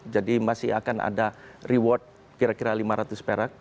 jadi masih akan ada reward kira kira lima ratus perak